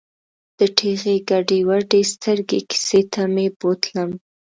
د ټېغې ګډې ودې سترګې کیسې ته مې بوتلم.